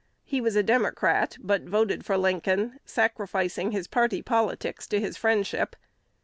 He was a Democrat, but voted for Lincoln, sacrificing his party politics to his friendship.